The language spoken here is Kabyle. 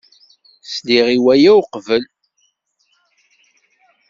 Sliɣ i waya uqbel.